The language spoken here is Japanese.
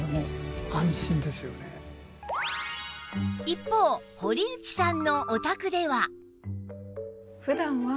一方堀内さんのお宅では